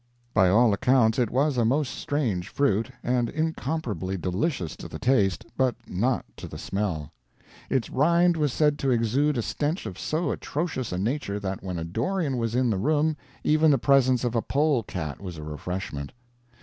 By all accounts it was a most strange fruit, and incomparably delicious to the taste, but not to the smell. Its rind was said to exude a stench of so atrocious a nature that when a dorian was in the room even the presence of a polecat was a refreshment.